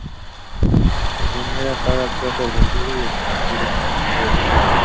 El primer par actúa sobre el yugo y el segundo directamente sobre el espejo.